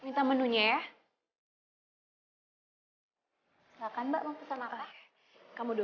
minta menu nya ya